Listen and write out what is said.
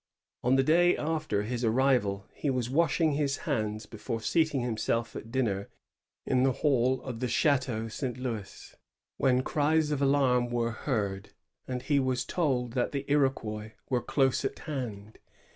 On the day after his arrival, he was wash ing his hands before seating himself at dinner in the hall of the Gh&teau St Louis, when cries of alarm were heard, and he was told that the Iroquois were close at hand.